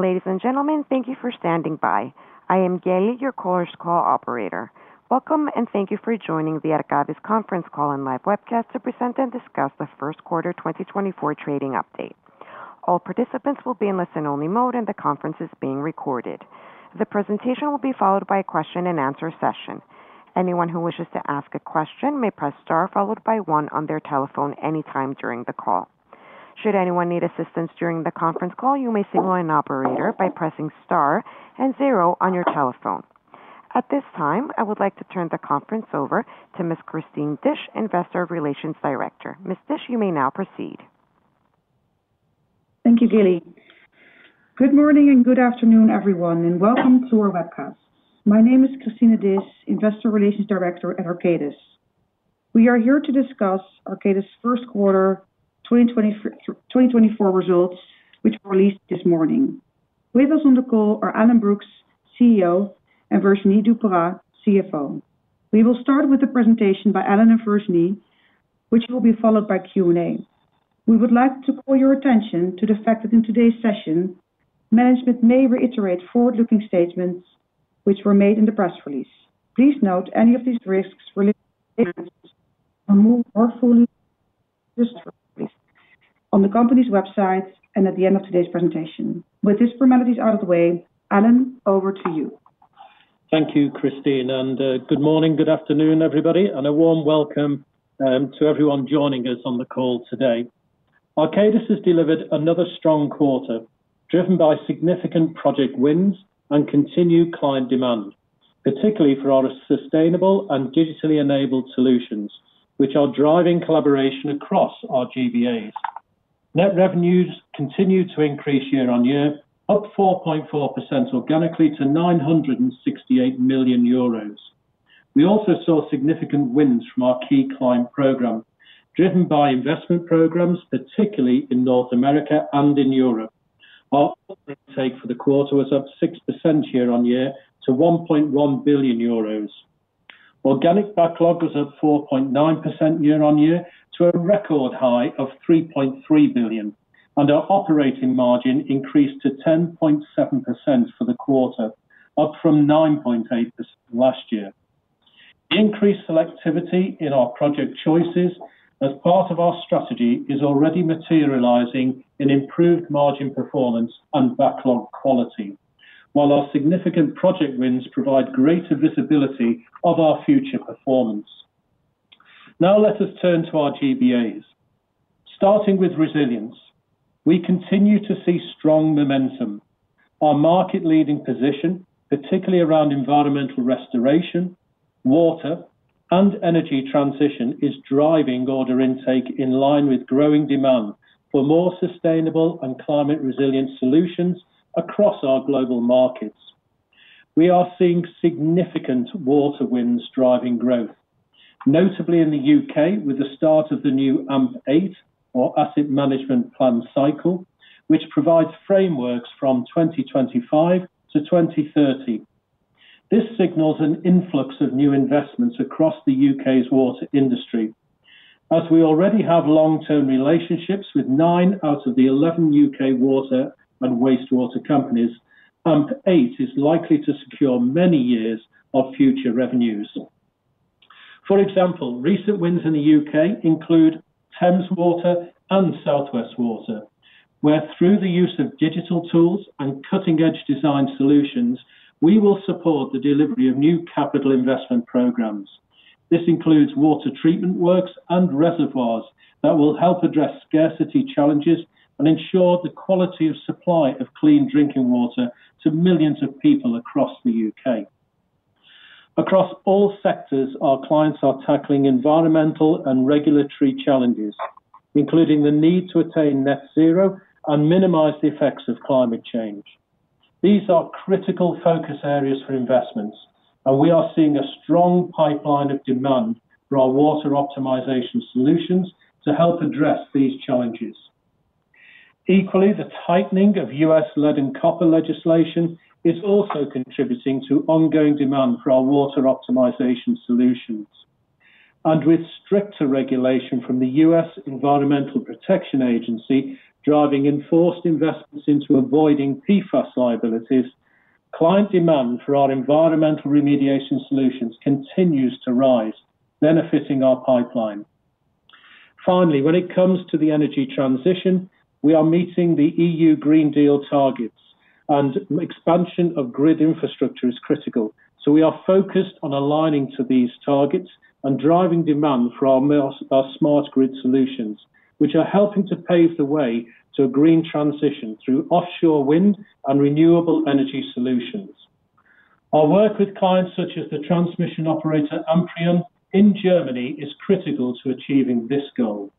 Ladies and gentlemen, thank you for standing by. I am Gayle, your conference call operator. Welcome, and thank you for joining the Arcadis conference call and live webcast to present and discuss the first quarter 2024 trading update. All participants will be in listen-only mode, and the conference is being recorded. The presentation will be followed by a question-and-answer session. Anyone who wishes to ask a question may press star followed by one on their telephone anytime during the call. Should anyone need assistance during the conference call, you may signal an operator by pressing star and zero on your telephone. At this time, I would like to turn the conference over to Ms. Christine Disch, Investor Relations Director. Ms. Disch, you may now proceed. Thank you, Gayle. Good morning and good afternoon, everyone, and welcome to our webcast. My name is Christine Disch, Investor Relations Director at Arcadis. We are here to discuss Arcadis's first quarter 2024 results, which were released this morning. With us on the call are Alan Brookes, CEO, and Virginie Dupérat-Vergne, CFO. We will start with the presentation by Alan and Virginie, which will be followed by Q&A. We would like to call your attention to the fact that in today's session, management may reiterate forward-looking statements which were made in the press release. Please note any of these risks are more fully on the company's website and at the end of today's presentation. With these formalities out of the way, Alan, over to you. Thank you, Christine, and good morning, good afternoon, everybody, and a warm welcome to everyone joining us on the call today. Arcadis has delivered another strong quarter, driven by significant project wins and continued client demand, particularly for our sustainable and digitally enabled solutions, which are driving collaboration across our GBAs. Net revenues continue to increase year-on-year, up 4.4% organically to 968 million euros. We also saw significant wins from our key client program, driven by investment programs, particularly in North America and in Europe. Our order take for the quarter was up 6% year-on-year to 1.1 billion euros. Organic backlog was up 4.9% year-on-year, to a record high of 3.3 billion, and our operating margin increased to 10.7% for the quarter, up from 9.8% last year. Increased selectivity in our project choices as part of our strategy is already materializing in improved margin performance and backlog quality, while our significant project wins provide greater visibility of our future performance. Now let us turn to our GBAs. Starting with resilience, we continue to see strong momentum. Our market-leading position, particularly around environmental restoration, water, and energy transition, is driving order intake in line with growing demand for more sustainable and climate resilient solutions across our global markets. We are seeing significant water wins driving growth, notably in the U.K., with the start of the new AMP8 or Asset Management Plan cycle, which provides frameworks from 2025 to 2030. This signals an influx of new investments across the U.K.'s water industry. As we already have long-term relationships with nine out of the 11 U.K. water and wastewater companies, AMP8 is likely to secure many years of future revenues. For example, recent wins in the U.K. include Thames Water and Southwest Water, where through the use of digital tools and cutting-edge design solutions, we will support the delivery of new capital investment programs. This includes water treatment works and reservoirs that will help address scarcity challenges and ensure the quality of supply of clean drinking water to millions of people across the U.K. Across all sectors, our clients are tackling environmental and regulatory challenges, including the need to attain net zero and minimize the effects of climate change. These are critical focus areas for investments, and we are seeing a strong pipeline of demand for our water optimization solutions to help address these challenges. Equally, the tightening of U.S. lead and copper legislation is also contributing to ongoing demand for our water optimization solutions. With stricter regulation from the U.S. Environmental Protection Agency, driving enforced investments into avoiding PFAS liabilities, client demand for our environmental remediation solutions continues to rise, benefiting our pipeline. Finally, when it comes to the energy transition, we are meeting the EU Green Deal targets, and expansion of grid infrastructure is critical. So we are focused on aligning to these targets and driving demand for our our smart grid solutions, which are helping to pave the way to a green transition through offshore wind and renewable energy solutions. Our work with clients such as the transmission operator Amprion in Germany is critical to achieving this goal.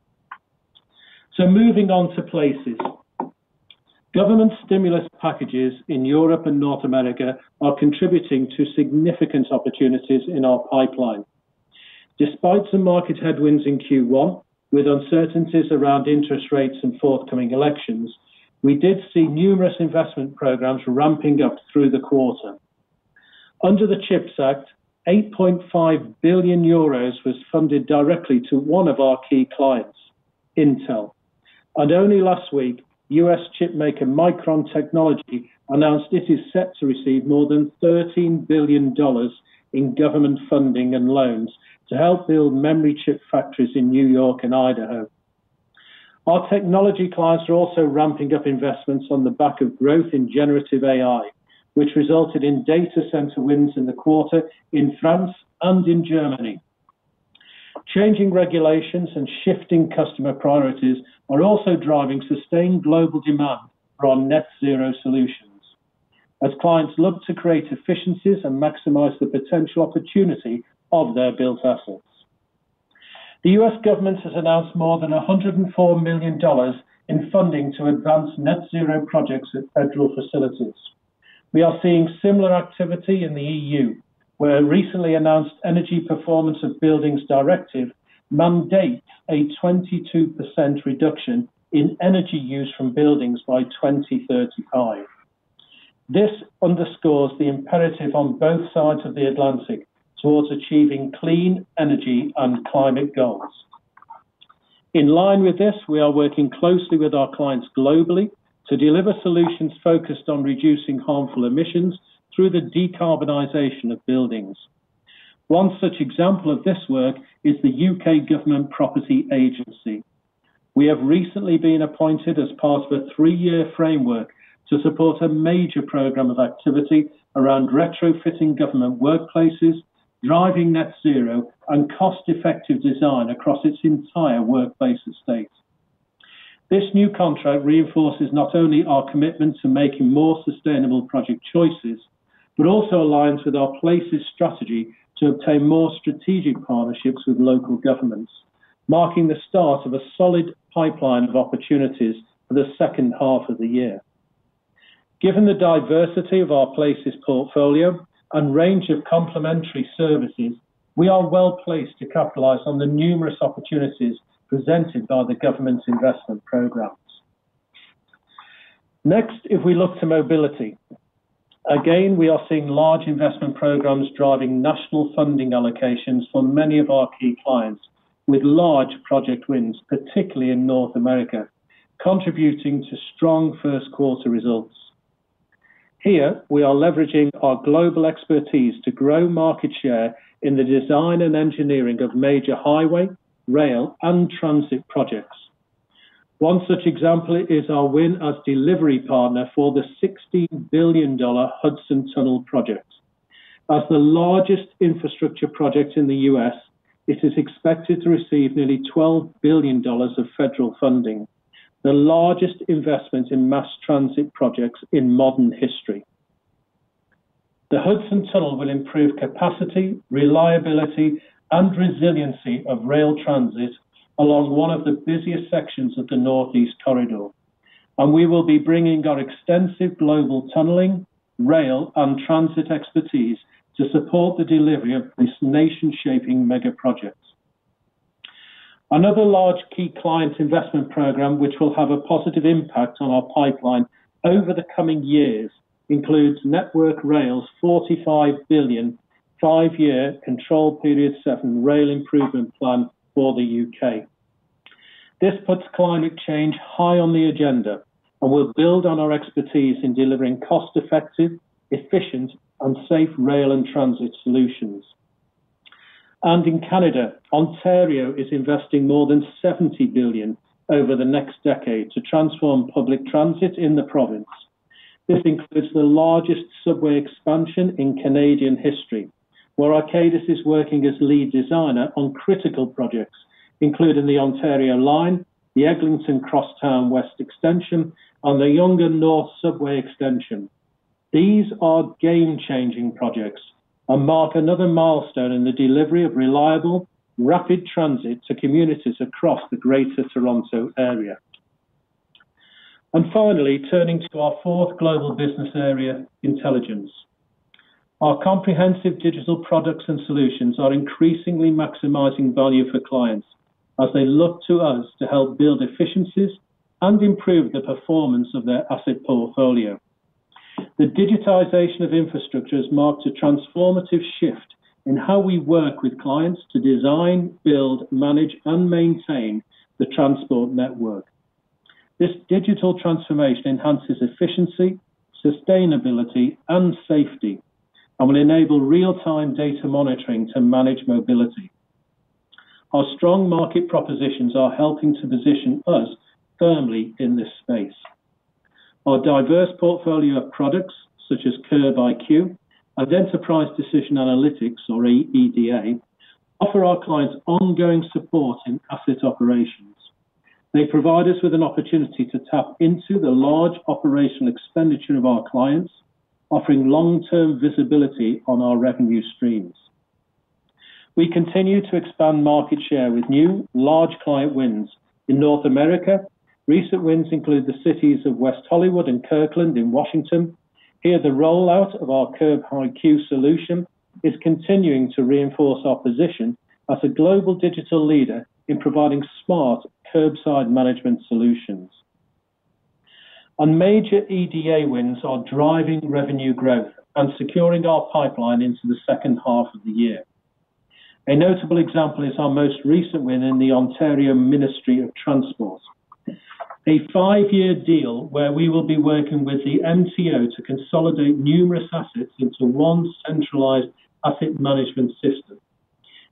So moving on to places. Government stimulus packages in Europe and North America are contributing to significant opportunities in our pipeline. Despite some market headwinds in Q1, with uncertainties around interest rates and forthcoming elections, we did see numerous investment programs ramping up through the quarter. Under the CHIPS Act, 8.5 billion euros was funded directly to one of our key clients, Intel. Only last week, U.S. chipmaker Micron Technology announced it is set to receive more than $13 billion in government funding and loans to help build memory chip factories in New York and Idaho. Our technology clients are also ramping up investments on the back of growth in generative AI, which resulted in data center wins in the quarter in France and in Germany. Changing regulations and shifting customer priorities are also driving sustained global demand for our net zero solutions, as clients look to create efficiencies and maximize the potential opportunity of their built assets. The U.S. government has announced more than $104 million in funding to advance net zero projects at federal facilities. We are seeing similar activity in the EU, where a recently announced Energy Performance of Buildings Directive mandates a 22% reduction in energy use from buildings by 2035. This underscores the imperative on both sides of the Atlantic towards achieving clean energy and climate goals. In line with this, we are working closely with our clients globally to deliver solutions focused on reducing harmful emissions through the decarbonization of buildings. One such example of this work is the U.K. Government Property Agency. We have recently been appointed as part of a three-year framework to support a major program of activity around retrofitting government workplaces, driving net zero, and cost-effective design across its entire workplace estate. This new contract reinforces not only our commitment to making more sustainable project choices, but also aligns with our Places strategy to obtain more strategic partnerships with local governments, marking the start of a solid pipeline of opportunities for the second half of the year. Given the diversity of our Places portfolio and range of complementary services, we are well-placed to capitalize on the numerous opportunities presented by the government's investment programs. Next, if we look to Mobility. Again, we are seeing large investment programs driving national funding allocations for many of our key clients, with large project wins, particularly in North America, contributing to strong first quarter results. Here, we are leveraging our global expertise to grow market share in the design and engineering of major highway, rail, and transit projects. One such example is our win as delivery partner for the $60 billion Hudson Tunnel project. As the largest infrastructure project in the U.S., it is expected to receive nearly $12 billion of federal funding, the largest investment in mass transit projects in modern history. The Hudson Tunnel will improve capacity, reliability, and resiliency of rail transit along one of the busiest sections of the Northeast Corridor, and we will be bringing our extensive global tunneling, rail, and transit expertise to support the delivery of this nation-shaping mega project. Another large key client investment program, which will have a positive impact on our pipeline over the coming years, includes Network Rail's 45 billion, five-year Control Period Seven Rail Improvement Plan for the U.K. This puts climate change high on the agenda and will build on our expertise in delivering cost-effective, efficient, and safe rail and transit solutions. And in Canada, Ontario is investing more than 70 billion over the next decade to transform public transit in the province. This includes the largest subway expansion in Canadian history, where Arcadis is working as lead designer on critical projects, including the Ontario Line, the Eglinton Crosstown West Extension, and the Yonge North Subway Extension. These are game-changing projects and mark another milestone in the delivery of reliable, rapid transit to communities across the Greater Toronto Area. Finally, turning to our fourth global business area, Intelligence. Our comprehensive digital products and solutions are increasingly maximizing value for clients as they look to us to help build efficiencies and improve the performance of their asset portfolio. The digitization of infrastructure has marked a transformative shift in how we work with clients to design, build, manage, and maintain the transport network. This digital transformation enhances efficiency, sustainability, and safety and will enable real-time data monitoring to manage mobility. Our strong market propositions are helping to position us firmly in this space. Our diverse portfolio of products, such as Curb IQ and Enterprise Decision Analytics, or EDA, offer our clients ongoing support in asset operations. They provide us with an opportunity to tap into the large operational expenditure of our clients, offering long-term visibility on our revenue streams. We continue to expand market share with new, large client wins. In North America, recent wins include the cities of West Hollywood and Kirkland in Washington. Here, the rollout of our Curb IQ solution is continuing to reinforce our position as a global digital leader in providing smart curbside management solutions. And major EDA wins are driving revenue growth and securing our pipeline into the second half of the year. A notable example is our most recent win in the Ontario Ministry of Transport. A five-year deal where we will be working with the MTO to consolidate numerous assets into one centralized asset management system,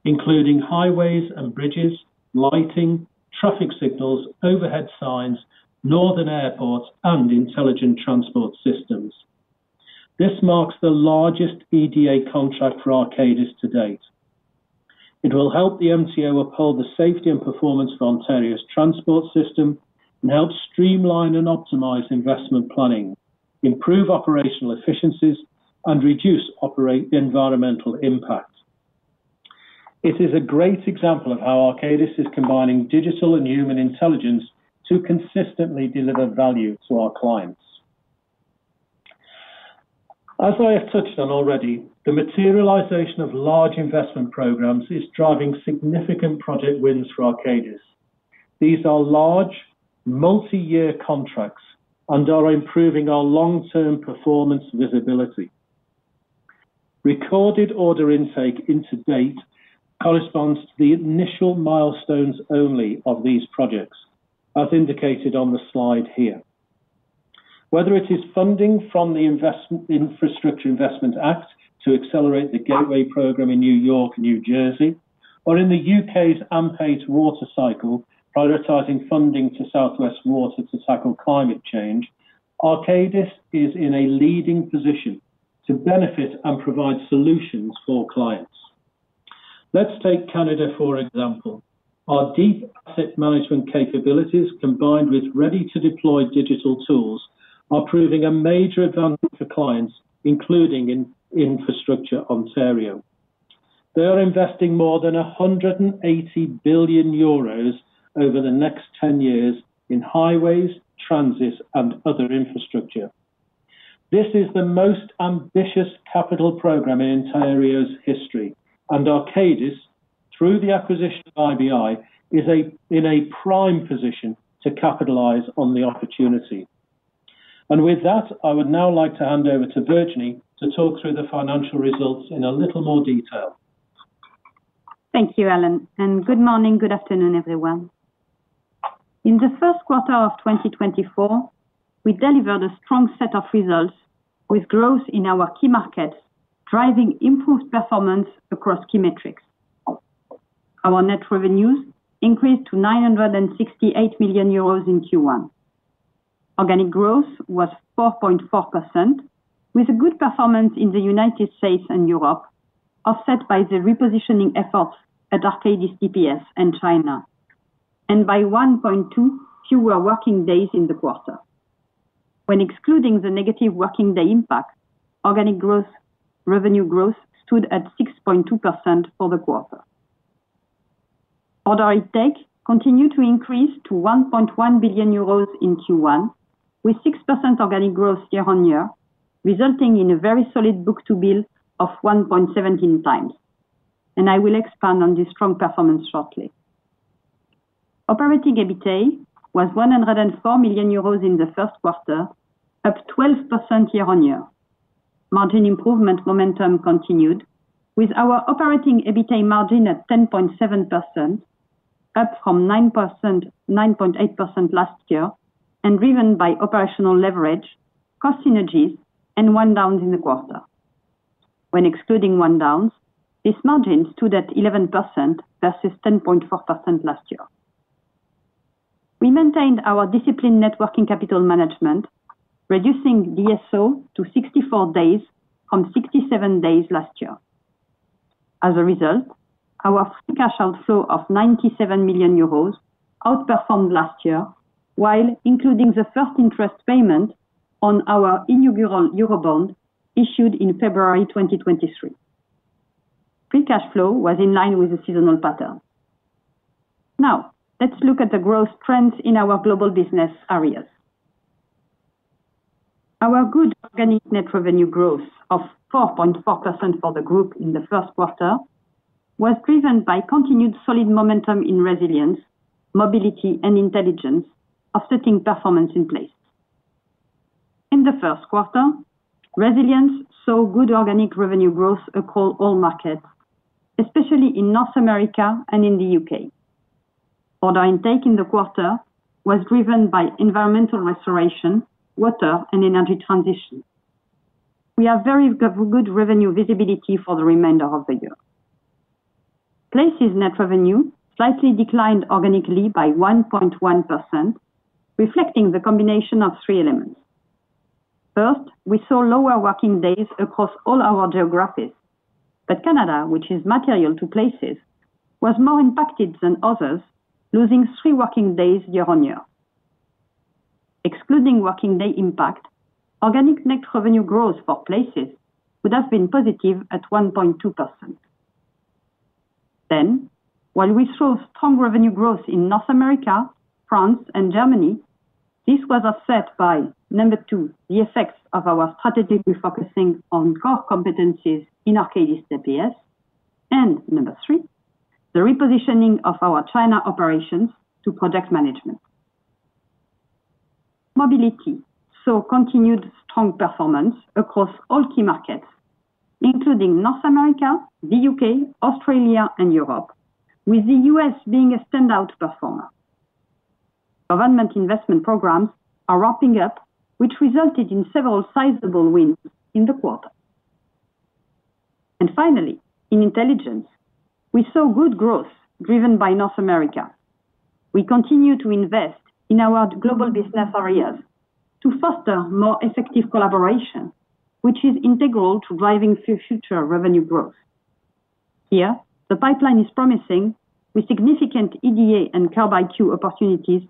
including highways and bridges, lighting, traffic signals, overhead signs, Northern Airports, and Intelligent Transport Systems. This marks the largest EDA contract for Arcadis to date. It will help the MTO uphold the safety and performance of Ontario's transport system and help streamline and optimize investment planning, improve operational efficiencies, and reduce operational environmental impact. It is a great example of how Arcadis is combining digital and human intelligence to consistently deliver value to our clients. As I have touched on already, the materialization of large investment programs is driving significant project wins for Arcadis. These are large, multi-year contracts and are improving our long-term performance visibility. Recorded order intake to date corresponds to the initial milestones only of these projects, as indicated on the slide here. Whether it is funding from the Infrastructure Investment and Jobs Act to accelerate the Gateway Program in New York and New Jersey, or in the U.K.'s AMP8 water cycle, prioritizing funding to Southwest Water to tackle climate change, Arcadis is in a leading position to benefit and provide solutions for clients. Let's take Canada, for example. Our deep asset management capabilities, combined with ready-to-deploy digital tools, are proving a major advantage for clients, including in Infrastructure Ontario. They are investing more than 180 billion euros over the next 10 years in highways, transit, and other infrastructure. This is the most ambitious capital program in Ontario's history, and Arcadis, through the acquisition of IBI, is in a prime position to capitalize on the opportunity. And with that, I would now like to hand over to Virginie to talk through the financial results in a little more detail. Thank you, Alan, and good morning, good afternoon, everyone. In the first quarter of 2024, we delivered a strong set of results with growth in our key markets, driving improved performance across key metrics. Our net revenues increased to 968 million euros in Q1. Organic growth was 4.4%, with a good performance in the United States and Europe, offset by the repositioning efforts at Arcadis DPS and China, and by 1.2 fewer working days in the quarter. When excluding the negative working day impact, organic growth, revenue growth stood at 6.2% for the quarter. Order intake continued to increase to 1.1 billion euros in Q1, with 6% organic growth year-on-year, resulting in a very solid book-to-bill of 1.17x, and I will expand on this strong performance shortly. Operating EBITA was 104 million euros in the first quarter, up 12% year-on-year. Margin improvement momentum continued, with our operating EBITA margin at 10.7%, up from 9.8% last year, and driven by operational leverage, cost synergies, and one-offs in the quarter. When excluding one-offs, this margin stood at 11% versus 10.4% last year. We maintained our disciplined net working capital management, reducing DSO to 64 days from 67 days last year. As a result, our free cash outflow of 97 million euros outperformed last year, while including the first interest payment on our inaugural Eurobond, issued in February 2023. Free cash flow was in line with the seasonal pattern. Now, let's look at the growth trends in our global business areas. Our good organic net revenue growth of 4.4% for the group in the first quarter was driven by continued solid momentum in Resilience, Mobility, and Intelligence, offsetting performance in Places. In the first quarter, Resilience saw good organic revenue growth across all markets, especially in North America and in the U.K. Order intake in the quarter was driven by environmental restoration, water, and energy transition. We have very good revenue visibility for the remainder of the year. Places net revenue slightly declined organically by 1.1%, reflecting the combination of three elements. First, we saw lower working days across all our geographies, but Canada, which is material to Places, was more impacted than others, losing three working days year-over-year. Excluding working day impact, organic net revenue growth for Places would have been positive at 1.2%. Then, while we saw strong revenue growth in North America, France, and Germany, this was offset by, number two, the effects of our strategic refocusing on core competencies in Arcadis DPS... and number three, the repositioning of our China operations to project management. Mobility saw continued strong performance across all key markets, including North America, the U.K., Australia, and Europe, with the U.S. being a standout performer. Government investment programs are ramping up, which resulted in several sizable wins in the quarter. And finally, in intelligence, we saw good growth driven by North America. We continue to invest in our global business areas to foster more effective collaboration, which is integral to driving future revenue growth. Here, the pipeline is promising, with significant EDA and Curb IQ opportunities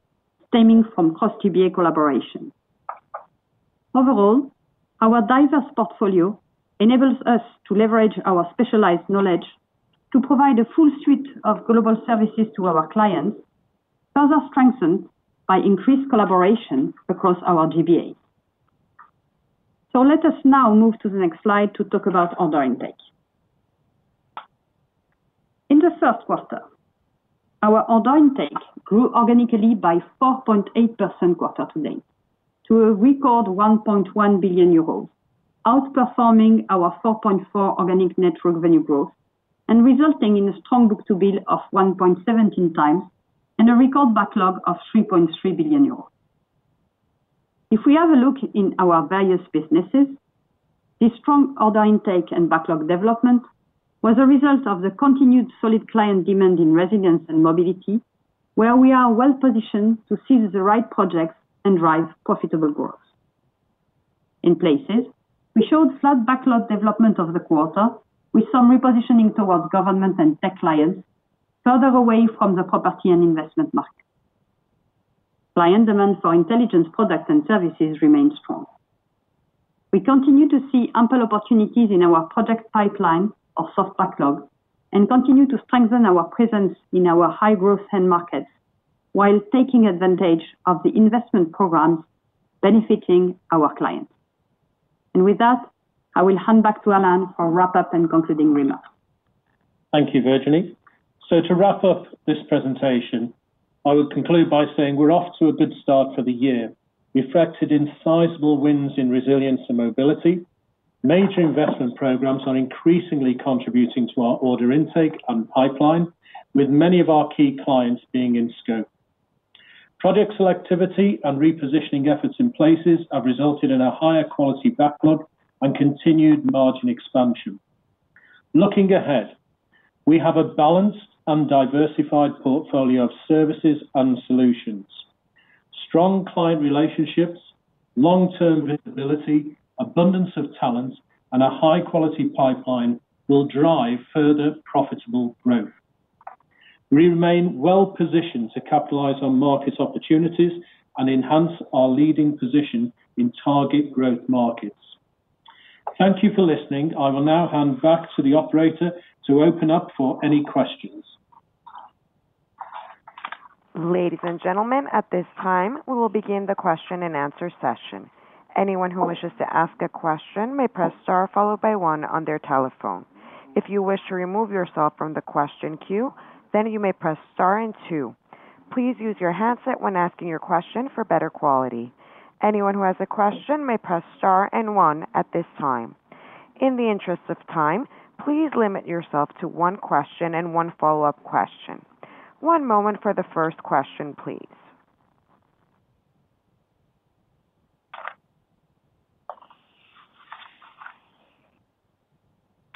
stemming from cross GBA collaboration. Overall, our diverse portfolio enables us to leverage our specialized knowledge to provide a full suite of global services to our clients, further strengthened by increased collaboration across our GBAs. So let us now move to the next slide to talk about order intake. In the first quarter, our order intake grew organically by 4.8% quarter to date, to a record 1.1 billion euros, outperforming our 4.4 organic net revenue growth and resulting in a strong book-to-bill of 1.17x and a record backlog of 3.3 billion euros. If we have a look in our various businesses, this strong order intake and backlog development was a result of the continued solid client demand in Resilience and Mobility, where we are well positioned to seize the right projects and drive profitable growth. In places, we showed flat backlog development over the quarter, with some repositioning towards government and tech clients, further away from the property and investment market. Client demand for intelligence products and services remains strong. We continue to see ample opportunities in our project pipeline of soft backlog and continue to strengthen our presence in our high-growth end markets, while taking advantage of the investment programs benefiting our clients. With that, I will hand back to Alan for wrap-up and concluding remarks. Thank you, Virginie. To wrap up this presentation, I would conclude by saying we're off to a good start for the year, reflected in sizable wins in resilience and mobility. Major investment programs are increasingly contributing to our order intake and pipeline, with many of our key clients being in scope. Project selectivity and repositioning efforts in places have resulted in a higher quality backlog and continued margin expansion. Looking ahead, we have a balanced and diversified portfolio of services and solutions. Strong client relationships, long-term visibility, abundance of talent, and a high-quality pipeline will drive further profitable growth. We remain well positioned to capitalize on market opportunities and enhance our leading position in target growth markets. Thank you for listening. I will now hand back to the operator to open up for any questions. Ladies and gentlemen, at this time, we will begin the question-and-answer session. Anyone who wishes to ask a question may press star followed by one on their telephone. If you wish to remove yourself from the question queue, then you may press star and two. Please use your handset when asking your question for better quality. Anyone who has a question may press star and one at this time. In the interest of time, please limit yourself to one question and one follow-up question. One moment for the first question, please.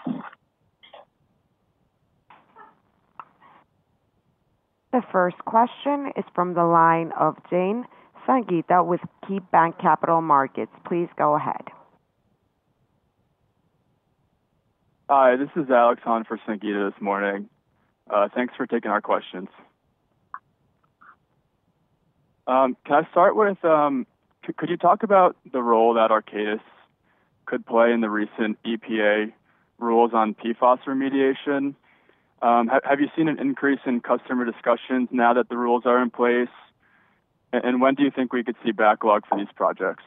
The first question is from the line of Sangita Jain with KeyBanc Capital Markets. Please go ahead. Hi, this is Alex on for Sangita this morning. Thanks for taking our questions. Can I start with, could you talk about the role that Arcadis could play in the recent EPA rules on PFAS remediation? Have you seen an increase in customer discussions now that the rules are in place? And when do you think we could see backlog from these projects?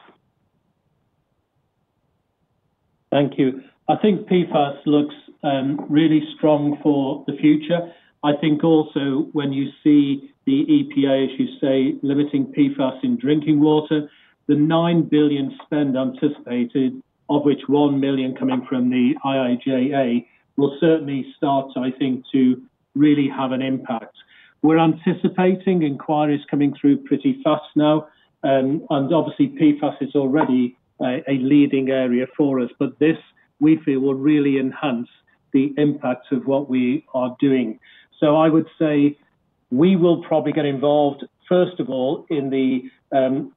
Thank you. I think PFAS looks really strong for the future. I think also when you see the EPA, as you say, limiting PFAS in drinking water, the $9 billion spend anticipated, of which $1 million coming from the IIJA, will certainly start, I think, to really have an impact. We're anticipating inquiries coming through pretty fast now, and obviously, PFAS is already a leading area for us, but this, we feel, will really enhance the impact of what we are doing. So I would say we will probably get involved, first of all, in the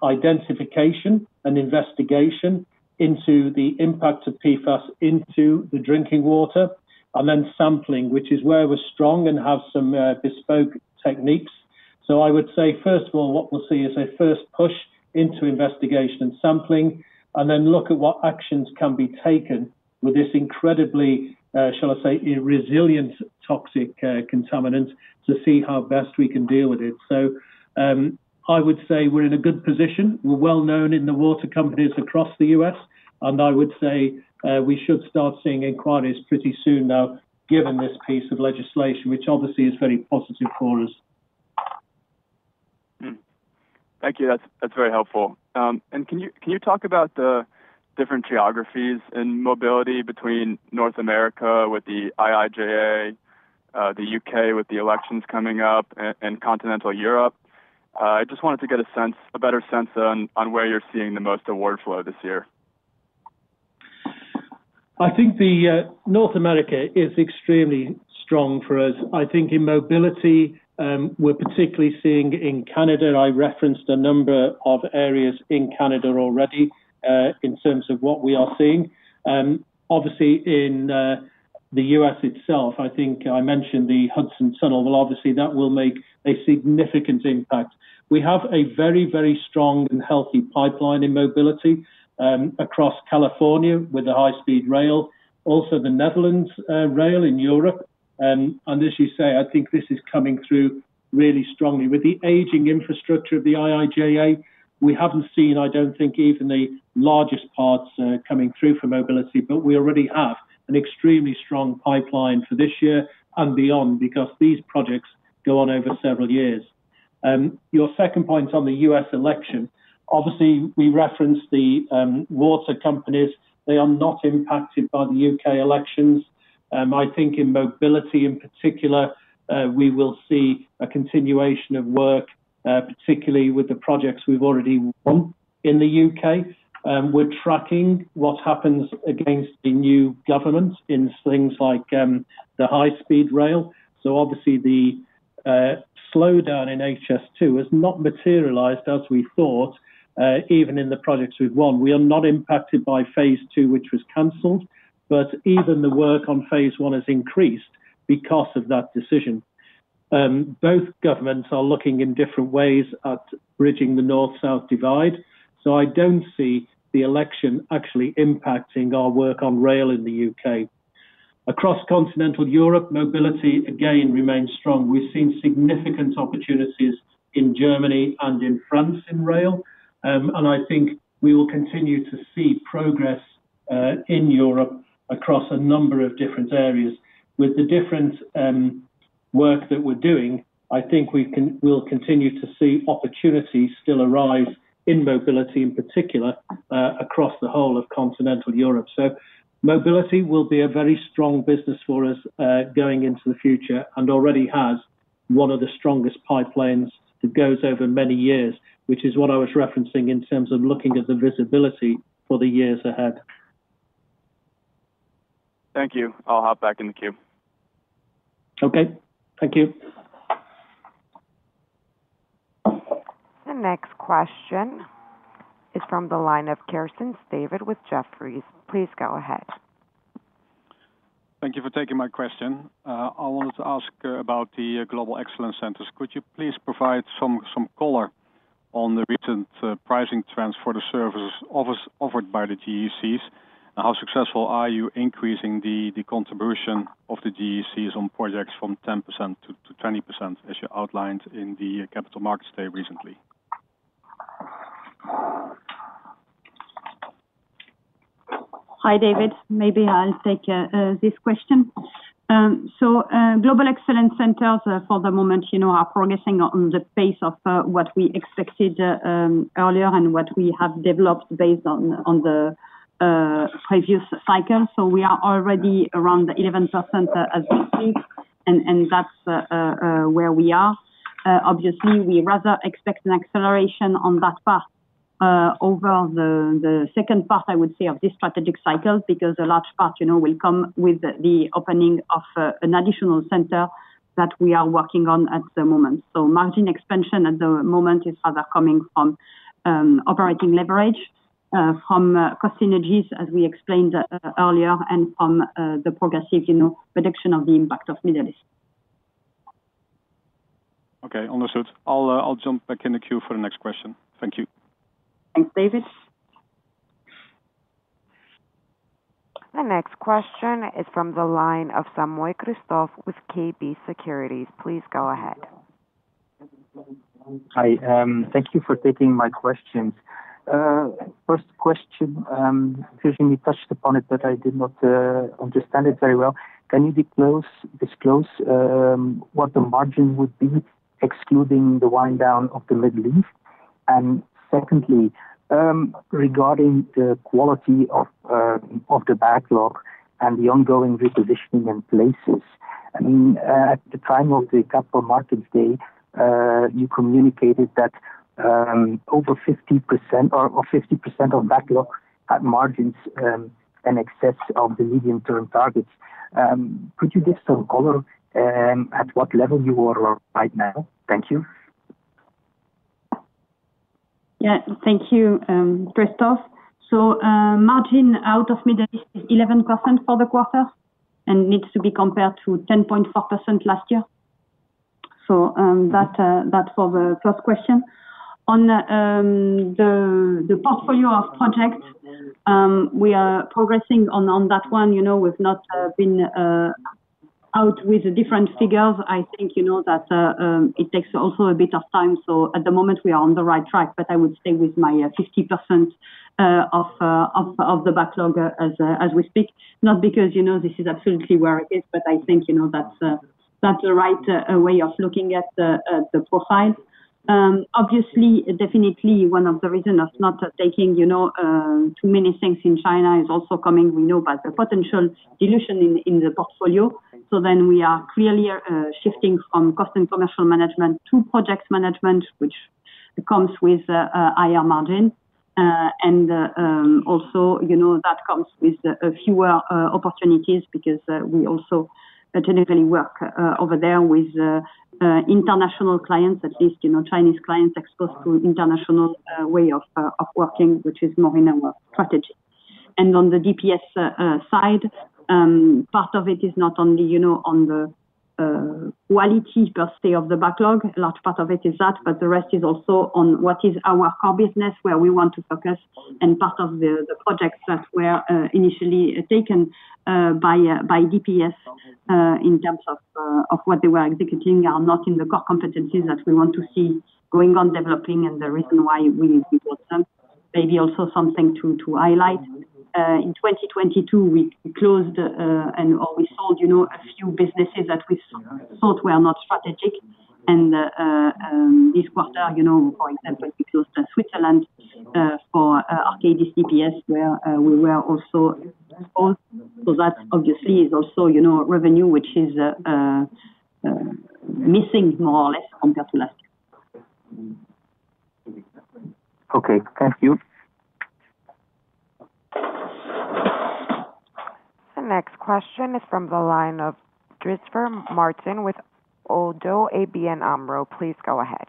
identification and investigation into the impact of PFAS into the drinking water, and then sampling, which is where we're strong and have some bespoke techniques. So I would say, first of all, what we'll see is a first push into investigation and sampling, and then look at what actions can be taken with this incredibly, shall I say, resilient, toxic, contaminant, to see how best we can deal with it. So, I would say we're in a good position. We're well known in the water companies across the U.S., and I would say, we should start seeing inquiries pretty soon now, given this piece of legislation, which obviously is very positive for us.... Thank you. That's, that's very helpful. And can you talk about the different geographies in mobility between North America with the IIJA, the U.K. with the elections coming up, and continental Europe? I just wanted to get a sense, a better sense on, on where you're seeing the most award flow this year. I think the North America is extremely strong for us. I think in mobility, we're particularly seeing in Canada. I referenced a number of areas in Canada already, in terms of what we are seeing. Obviously, in the U.S. itself, I think I mentioned the Hudson Tunnel. Well, obviously, that will make a significant impact. We have a very, very strong and healthy pipeline in mobility, across California with the high-speed rail, also the Netherlands, rail in Europe. And as you say, I think this is coming through really strongly. With the aging infrastructure of the IIJA, we haven't seen, I don't think, even the largest parts coming through for mobility, but we already have an extremely strong pipeline for this year and beyond, because these projects go on over several years. Your second point on the U.S. election, obviously, we referenced the water companies. They are not impacted by the U.K. elections. I think in mobility, in particular, we will see a continuation of work, particularly with the projects we've already won in the U.K. We're tracking what happens against the new government in things like the high-speed rail. So obviously, the slowdown in HS2 has not materialized as we thought, even in the projects we've won. We are not impacted by phase II, which was canceled, but even the work on phase one has increased because of that decision. Both governments are looking in different ways at bridging the north-south divide, so I don't see the election actually impacting our work on rail in the U.K. Across continental Europe, mobility, again, remains strong. We've seen significant opportunities in Germany and in France in rail. I think we will continue to see progress in Europe across a number of different areas. With the different work that we're doing, we'll continue to see opportunities still arise in mobility, in particular, across the whole of continental Europe. Mobility will be a very strong business for us, going into the future, and already has one of the strongest pipelines that goes over many years, which is what I was referencing in terms of looking at the visibility for the years ahead. Thank you. I'll hop back in the queue. Okay, thank you. The next question is from the line of David Kerstens with Jefferies. Please go ahead. Thank you for taking my question. I wanted to ask about the Global Excellence Centers. Could you please provide some color on the recent pricing trends for the services offered by the GECs? And how successful are you increasing the contribution of the GECs on projects from 10% to 20%, as you outlined in the Capital Markets Day recently? Hi, David. Maybe I'll take this question. So, Global Excellence Centers, for the moment, you know, are progressing on the pace of what we expected earlier and what we have developed based on the previous cycle. So we are already around the 11%, as we speak, and that's where we are. Obviously, we rather expect an acceleration on that path over the second part, I would say, of this strategic cycle, because a large part, you know, will come with the opening of an additional center that we are working on at the moment. So margin expansion at the moment is rather coming from operating leverage from cost synergies, as we explained earlier, and from the progressive, you know, reduction of the impact of Middle East. Okay, understood. I'll jump back in the queue for the next question. Thank you. Thanks, David. The next question is from the line of Kristof Samoy with KBC Securities. Please go ahead. Hi, thank you for taking my questions. First question, Virginie, you touched upon it, but I did not understand it very well. Can you disclose what the margin would be, excluding the wind down of the Middle East? And secondly, regarding the quality of the backlog and the ongoing repositioning in places, I mean, at the time of the Capital Markets Day, you communicated that over 50% or 50% of backlog at margins in excess of the medium-term targets. Could you give some color at what level you are right now? Thank you. Yeah. Thank you, Kristof. So, margin out of Middle East is 11% for the quarter, and needs to be compared to 10.4% last year. So, that for the first question. On the portfolio of projects, we are progressing on that one. You know, we've not been out with the different figures. I think you know that, it takes also a bit of time, so at the moment we are on the right track, but I would stay with my 50% of the backlog as we speak. Not because, you know, this is absolutely where it is, but I think, you know, that's. That's the right way of looking at the profile. Obviously, definitely one of the reasons of not taking, you know, too many things in China is also coming, we know, about the potential dilution in, in the portfolio. So then we are clearly shifting from cost and commercial management to project management, which comes with a higher margin. And also, you know, that comes with fewer opportunities because we also generally work over there with international clients, at least, you know, Chinese clients exposed to international way of working, which is more in our strategy. On the DPS side, part of it is not only, you know, on the quality per se of the backlog, a large part of it is that, but the rest is also on what is our core business, where we want to focus, and part of the projects that were initially taken by DPS in terms of what they were executing are not in the core competencies that we want to see going on developing and the reason why we bought them. Maybe also something to highlight, in 2022, we closed and-- or we sold, you know, a few businesses that we thought were not strategic. This quarter, you know, for example, we closed Switzerland for Arcadis DPS, where we were also sold. That obviously is also, you know, revenue, which is missing more or less compared to last year. Okay. Thank you. The next question is from the line of Martijn den Drijver with ODDO ABN AMRO. Please go ahead.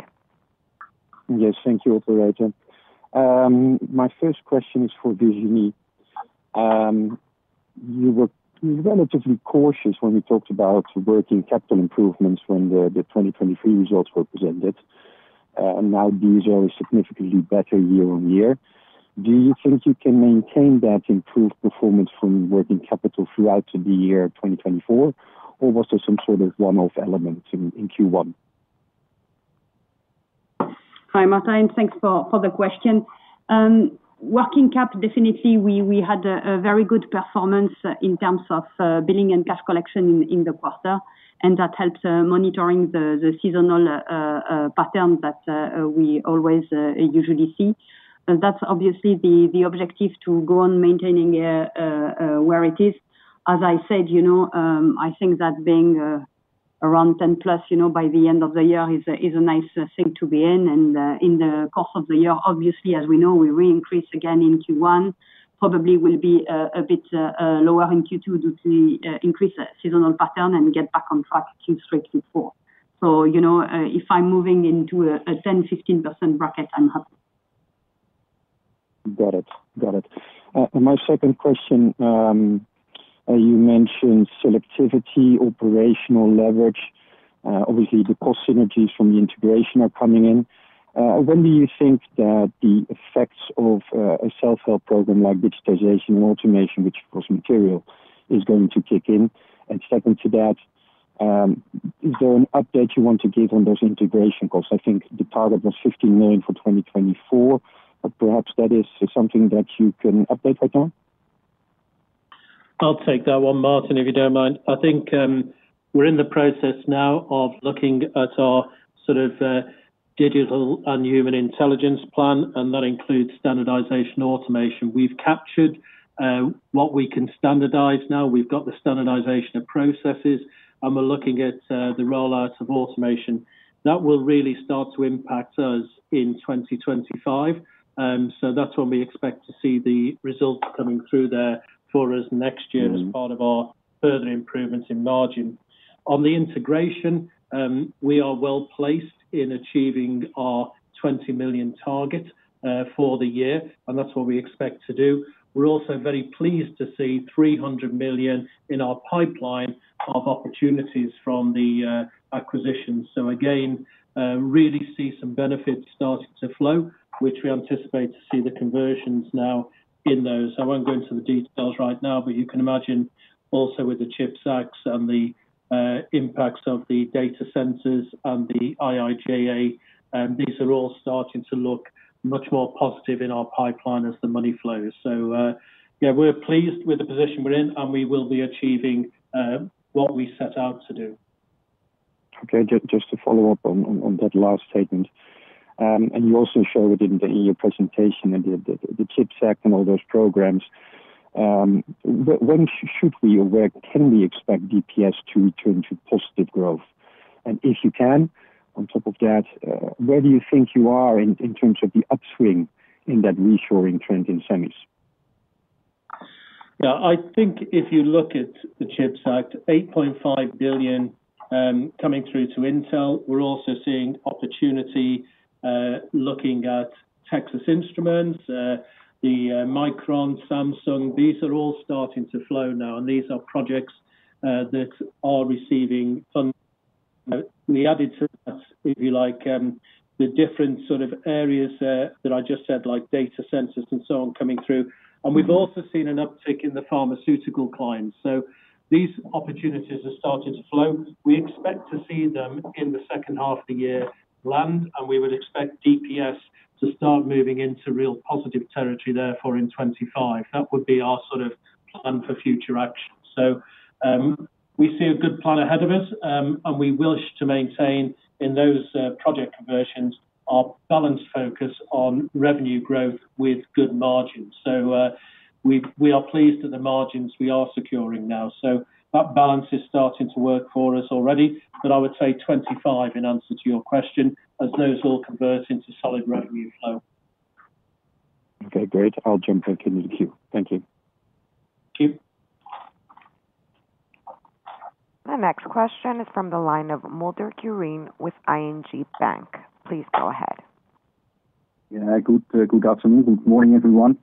Yes. Thank you, operator. My first question is for Virginie. You were relatively cautious when you talked about working capital improvements when the 2023 results were presented, and now these are significantly better year on year. Do you think you can maintain that improved performance from working capital throughout the year 2024, or was there some sort of one-off element in Q1? Hi, Martijn. Thanks for the question. Working cap, definitely we had a very good performance in terms of billing and cash collection in the quarter, and that helps monitoring the seasonal pattern that we always usually see. But that's obviously the objective, to go on maintaining where it is. As I said, you know, I think that being around 10+, you know, by the end of the year is a nice thing to be in. And in the course of the year, obviously, as we know, we reincrease again in Q1, probably will be a bit lower in Q2 due to the increased seasonal pattern and get back on track Q3, Q4. You know, if I'm moving into a 10%-15% bracket, I'm happy. Got it. Got it. My second question, you mentioned selectivity, operational leverage. Obviously, the cost synergies from the integration are coming in. When do you think that the effects of a self-help program like digitalization and automation, which of course material is going to kick in? And second to that, is there an update you want to give on those integration costs? I think the target was 50 million for 2024, but perhaps that is something that you can update right now. I'll take that one, Martijn, if you don't mind. I think, we're in the process now of looking at our sort of, digital and human intelligence plan, and that includes standardization, automation. We've captured, what we can standardize now. We've got the standardization of processes, and we're looking at, the rollout of automation. That will really start to impact us in 2025. So that's when we expect to see the results coming through there for us next year as part of our further improvements in margin. On the integration, we are well placed in achieving our 20 million target, for the year, and that's what we expect to do. We're also very pleased to see 300 million in our pipeline of opportunities from the, acquisition. So again, really see some benefits starting to flow, which we anticipate to see the conversions now in those. I won't go into the details right now, but you can imagine also with the CHIPS Act and the, impacts of the data centers and the IIJA, these are all starting to look much more positive in our pipeline as the money flows. So, yeah, we're pleased with the position we're in, and we will be achieving, what we set out to do. Okay. Just to follow up on that last statement, and you also showed it in the presentation and the CHIPS Act and all those programs. When should we, or when can we expect DPS to return to positive growth? And if you can, on top of that, where do you think you are in terms of the upswing in that reshoring trend in semis? Yeah, I think if you look at the CHIPS Act, $8.5 billion coming through to Intel, we're also seeing opportunity, looking at Texas Instruments, the Micron, Samsung, these are all starting to flow now, and these are projects that are receiving funds. We added to that, if you like, the different sort of areas that I just said, like data centers and so on, coming through. And we've also seen an uptick in the pharmaceutical clients. So these opportunities have started to flow. We expect to see them in the second half of the year land, and we would expect DPS to start moving into real positive territory therefore, in 2025. That would be our plan for future action. We see a good plan ahead of us, and we wish to maintain in those project conversions our balanced focus on revenue growth with good margins. We are pleased at the margins we are securing now. So that balance is starting to work for us already. But I would say 25 in answer to your question, as those all convert into solid revenue flow. Okay, great. I'll jump back in the queue. Thank you. Thank you. The next question is from the line of Quirijn Mulder with ING Bank. Please go ahead. Yeah. Good afternoon. Good morning, everyone.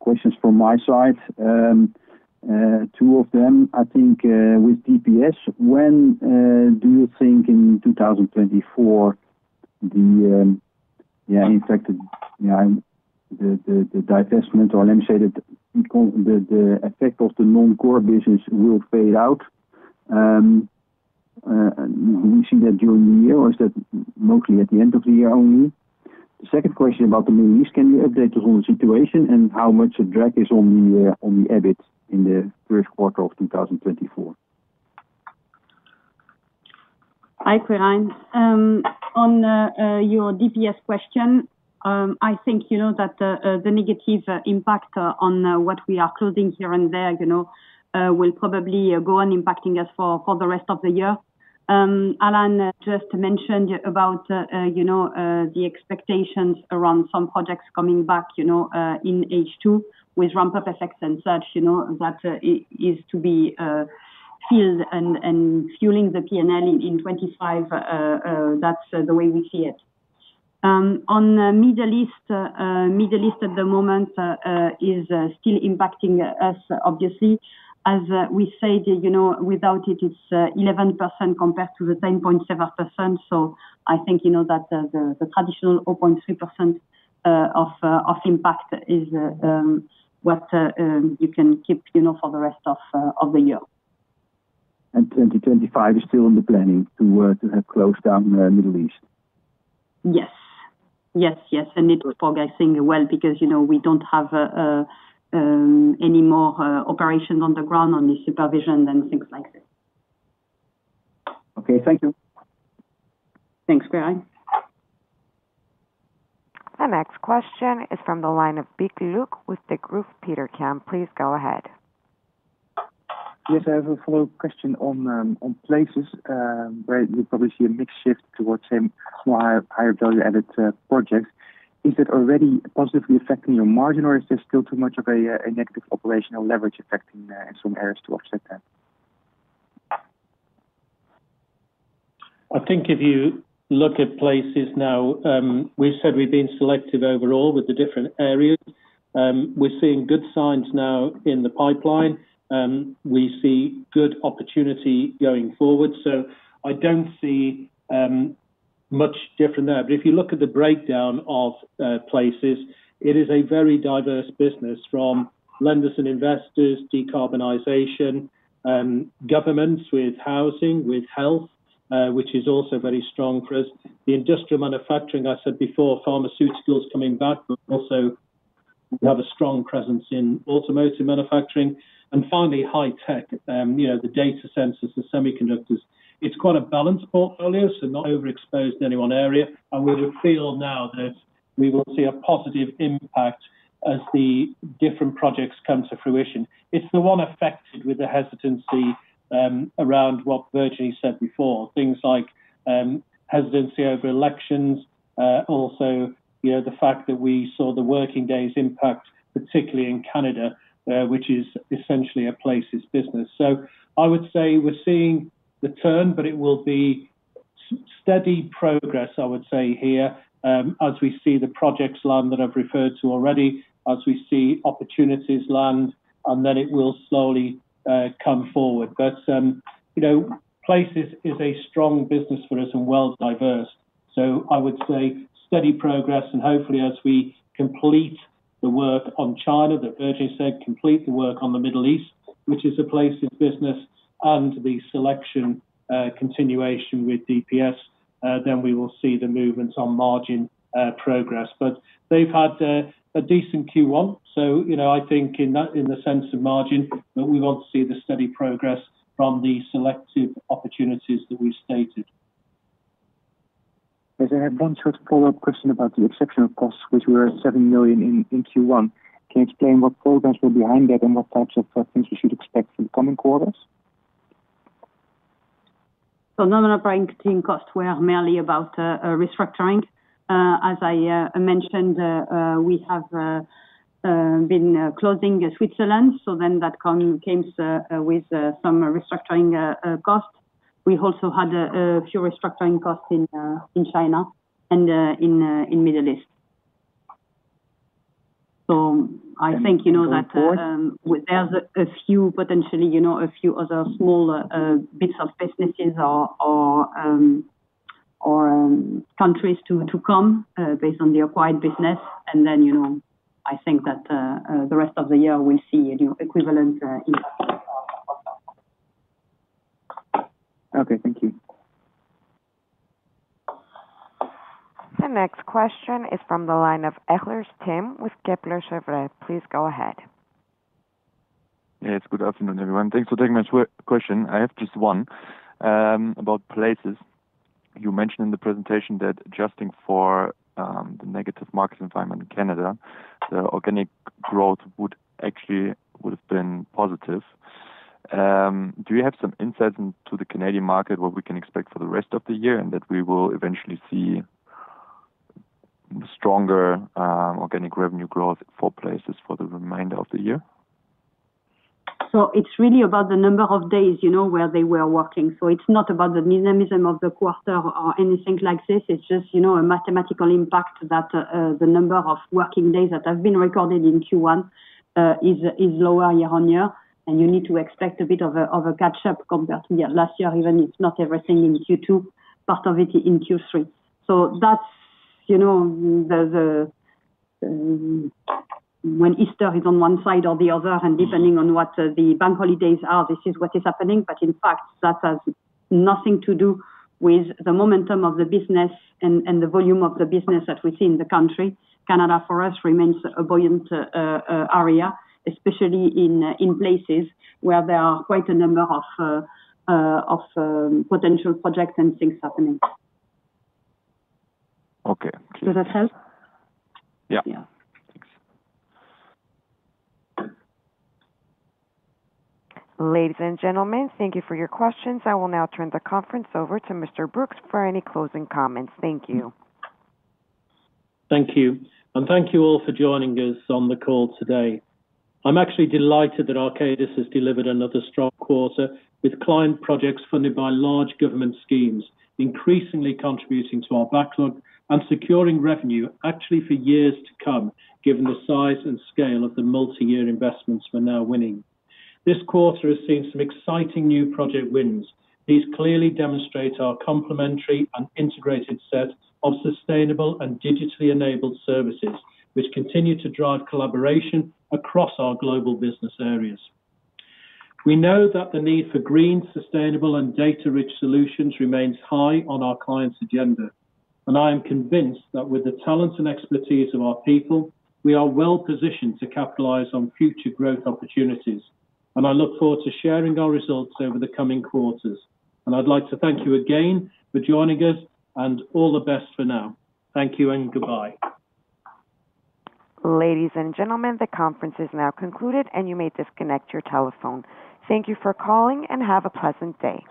Questions from my side. Two of them, I think, with DPS, when do you think in 2024, yeah, in fact, the divestment, or let me say that the effect of the non-core business will fade out? And we see that during the year, or is that mostly at the end of the year only? The second question about the Middle East, can you update the whole situation and how much a drag is on the EBIT in the first quarter of 2024? Hi, Quirijn. On your DPS question, I think you know that the negative impact on what we are closing here and there, you know, will probably go on impacting us for the rest of the year. Alan just mentioned about, you know, the expectations around some projects coming back, you know, in H2 with ramp-up effects and such, you know, that is to be filled and fueling the PNL in 25, that's the way we see it. On Middle East, Middle East at the moment is still impacting us, obviously. As we said, you know, without it, it's 11% compared to the 10.7%. So I think you know that the traditional 0.3% of impact is what you can keep, you know, for the rest of the year. 2025 is still in the planning to work, close down the Middle East? Yes. Yes, yes, and it was progressing well, because, you know, we don't have any more operations on the ground, on the supervision and things like this. Okay. Thank you. Thanks, Quirijn. The next question is from the line of Luuk Van Beek with Degroof Petercam. Please go ahead. Yes, I have a follow-up question on the, on places, where you probably see a mixed shift towards some higher, higher value-added, projects. Is it already positively affecting your margin, or is there still too much of a, a negative operational leverage affecting, some areas to offset that? I think if you look at places now, we said we've been selective overall with the different areas. We're seeing good signs now in the pipeline. We see good opportunity going forward, so I don't see much different there. But if you look at the breakdown of places, it is a very diverse business, from lenders and investors, decarbonization, governments with housing, with health, which is also very strong for us. The industrial manufacturing, I said before, pharmaceuticals coming back, but also we have a strong presence in automotive manufacturing. And finally, high tech, you know, the data centers, the semiconductors. It's quite a balanced portfolio, so not overexposed to any one area, and we feel now that we will see a positive impact as the different projects come to fruition. It's the one affected with the hesitancy, around what Virginie said before, things like, hesitancy over elections. Also, you know, the fact that we saw the working days impact, particularly in Canada, which is essentially a Places business. So I would say we're seeing the turn, but it will be steady progress, I would say here, as we see the projects land that I've referred to already, as we see opportunities land, and then it will slowly, come forward. But, you know, Places is a strong business for us and well diverse. So I would say steady progress, and hopefully, as we complete the work on China, that Virginie said, complete the work on the Middle East, which is a Places business and the selection, continuation with DPS, then we will see the movements on margin, progress. But they've had a decent Q1. So, you know, I think in that, in the sense of margin, but we want to see the steady progress from the selective opportunities that we stated. Yes, I have one short follow-up question about the exceptional costs, which were 7 million in Q1. Can you explain what programs were behind that and what types of things we should expect in the coming quarters? So non-operating costs were mainly about restructuring. As I mentioned, we have been closing Switzerland, so then that comes with some restructuring costs. We also had a few restructuring costs in China and in Middle East. So I think, you know, that there's a few potentially, you know, a few other small bits of businesses or countries to come based on the acquired business. And then, you know, I think that the rest of the year we'll see an equivalent impact. Okay, thank you. The next question is from the line of Tim Ehlers with Kepler Cheuvreux. Please go ahead. Yes, good afternoon, everyone. Thanks for taking my question. I have just one about places. You mentioned in the presentation that adjusting for the negative market environment in Canada, the organic growth would actually would have been positive. Do you have some insight into the Canadian market, what we can expect for the rest of the year, and that we will eventually see stronger organic revenue growth for places for the remainder of the year? So it's really about the number of days, you know, where they were working. So it's not about the minimalism of the quarter or anything like this. It's just, you know, a mathematical impact that, the number of working days that have been recorded in Q1, is lower year-on-year, and you need to expect a bit of a, of a catch up compared to last year, even it's not everything in Q2, part of it in Q3. So that's, you know, the, the, when Easter is on one side or the other, and depending on what, the bank holidays are, this is what is happening. But in fact, that has nothing to do with the momentum of the business and, and the volume of the business that we see in the country. Canada, for us, remains a buoyant area, especially in places where there are quite a number of potential projects and things happening. Okay. Does that help? Yeah. Yeah. Thanks. Ladies and gentlemen, thank you for your questions. I will now turn the conference over to Mr. Brookes for any closing comments. Thank you. Thank you, and thank you all for joining us on the call today. I'm actually delighted that Arcadis has delivered another strong quarter, with client projects funded by large government schemes, increasingly contributing to our backlog and securing revenue actually for years to come, given the size and scale of the multi-year investments we're now winning. This quarter has seen some exciting new project wins. These clearly demonstrate our complementary and integrated set of sustainable and digitally enabled services, which continue to drive collaboration across our global business areas. We know that the need for green, sustainable and data-rich solutions remains high on our clients' agenda, and I am convinced that with the talent and expertise of our people, we are well positioned to capitalize on future growth opportunities. I look forward to sharing our results over the coming quarters. I'd like to thank you again for joining us and all the best for now. Thank you and goodbye. Ladies and gentlemen, the conference is now concluded, and you may disconnect your telephone. Thank you for calling, and have a pleasant day.